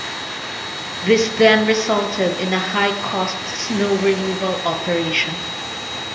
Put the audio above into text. This then resulted in a high cost snow removal operation.